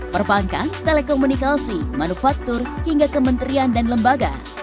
perbankan telekomunikasi manufaktur hingga kementerian dan lembaga